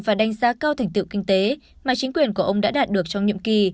và đánh giá cao thành tựu kinh tế mà chính quyền của ông đã đạt được trong nhiệm kỳ